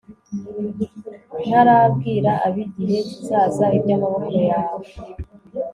ntarabwira ab'igihe kizaza iby'amaboko yawe